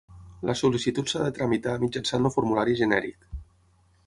La sol·licitud s'ha de tramitar mitjançant el formulari genèric.